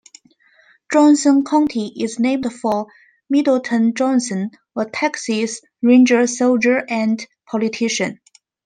Johnson County is named for Middleton Johnson, a Texas Ranger, soldier, and politician.